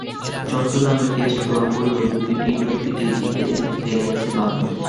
চট্টগ্রামে test draw করলেও দুটি টি-টোয়েন্টিতেই জিততে জিততে হেরে গেছে বাংলাদেশ।